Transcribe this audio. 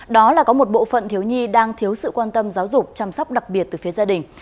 đó là có một bộ phận thiếu nhi đang thiếu sự quan tâm giáo dục chăm sóc đặc biệt từ phía gia đình